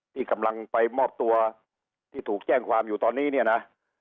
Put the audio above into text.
ที่กำลังไปมอบตัวที่ถูกแจ้งความอยู่ตอนนี้เนี่ยนะ